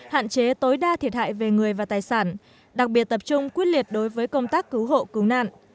hạn chế tối đa thiệt hại về người và tài sản đặc biệt tập trung quyết liệt đối với công tác cứu hộ cứu nạn